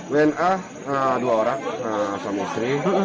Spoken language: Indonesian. wna dua orang suami istri